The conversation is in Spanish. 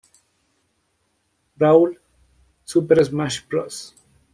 Brawl", "Super Smash Bros.